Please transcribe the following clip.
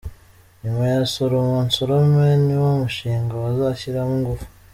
Nyuma ya ‘Soroma Nsorome’ ni wo mushinga bazashyiramo ingufu.